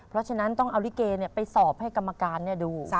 เพราะฉะนั้นต้องเอาลิเกเนี่ยไปสอบให้กรรมการเนี่ยดู